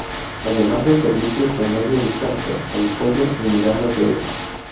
Además de servicios de media distancia a Vitoria y Miranda de Ebro.